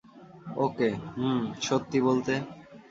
ওকে, হুম, সত্যি বলতে?